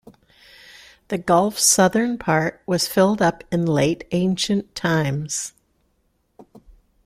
The gulf's southern part was filled up in late ancient times.